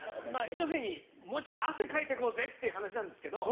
要するにもうちょい汗かいてこうぜ！っていう話なんですけど。